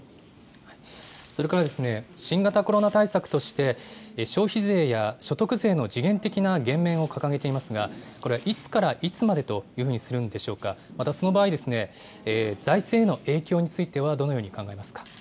それから新型コロナ対策として、消費税や所得税の時限的な減免を掲げていますが、これはいつからいつまでというふうにするんでしょうか、またその場合、財政への影響についてはどのように考えますか。